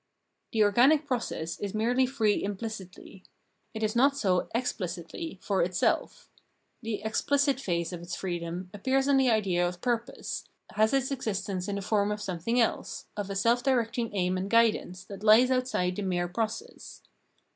The organic process is merely free imphcitly ; it is not so exphcitly, " for itself." The exphcit phase of its freedom appears in the idea of purpose, has its existence in the form of something else, of a self directing aim and guidance, that hes outside the mere process.